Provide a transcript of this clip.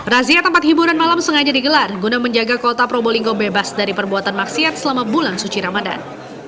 razia tempat hiburan malam sengaja digelar guna menjaga kota probolinggo bebas dari perbuatan maksiat selama bulan suci ramadan